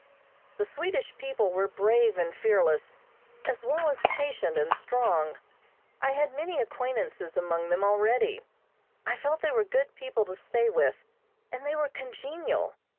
The Swedish people were brave and fearless, as well as patient and strong. I had many acquaintances among them already. I felt they were good people to stay with, and they were congenial.